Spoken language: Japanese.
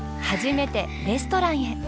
初めてレストランへ。